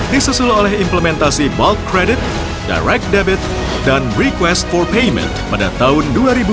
disusul oleh implementasi mark kredit direct debit dan request for payment pada tahun dua ribu dua puluh